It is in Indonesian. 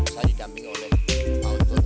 saya didamping oleh